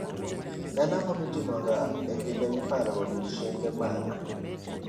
en ang'o mitimoga e kinde mag nyasi mag paro odiechienge mag